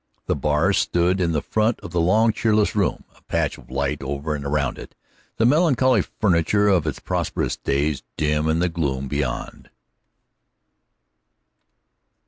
The bar stood in the front of the long, cheerless room, a patch of light over and around it, the melancholy furniture of its prosperous days dim in the gloom beyond.